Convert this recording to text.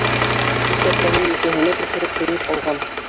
Эшләпәһен елкәһенә төшөрөп кейеп алған.